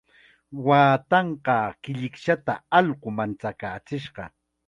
Waatanqaa killikshata allqu manchachishqa.